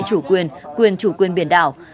chủ quyền quyền chủ quyền biển đảo